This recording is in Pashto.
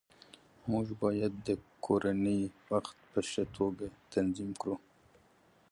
موږ باید د کورنۍ وخت په ښه توګه تنظیم کړو